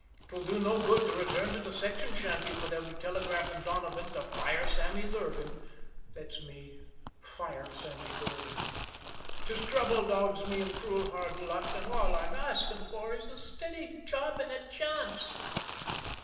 'Twill do no good to return to the section shanty, for they'll be telegraphing Donovan to fire Sammy Durgan. That's me fire Sammy Durgan. 'Tis trouble dogs me and cruel hard luck and all I'm asking for is a steady job and a chance."